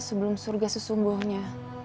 sebelum surga sesumbuhnya